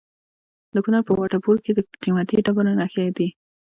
د کونړ په وټه پور کې د قیمتي ډبرو نښې دي.